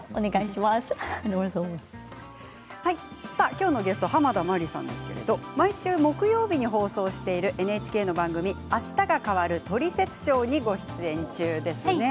きょうのゲスト濱田マリさんですけれど毎週木曜日に放送しているＮＨＫの番組「あしたが変わるトリセツショー」にご出演中です。